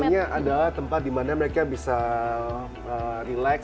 jadi ini sebetulnya ada tempat di mana mereka bisa relax